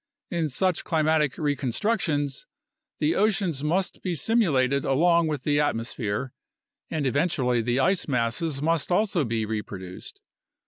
In such climatic reconstructions, the oceans must be simulated along with the atmosphere, and eventually the ice masses must also be reproduced.